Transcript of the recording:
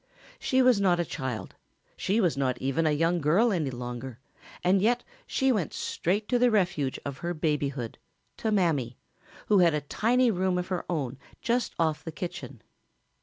She was not a child, she was not even a young girl any longer, and yet she went straight to the refuge of her babyhood to Mammy who had a tiny room of her own just off the kitchen.